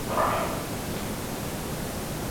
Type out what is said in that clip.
El apodo de Oda en Hello!